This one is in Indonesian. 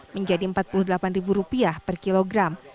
menjadi rp empat puluh delapan per kilogram